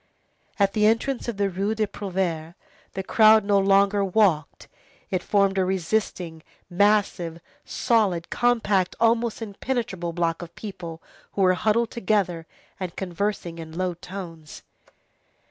At the entrance to the Rue des Prouvaires, the crowd no longer walked. It formed a resisting, massive, solid, compact, almost impenetrable block of people who were huddled together, and conversing in low tones.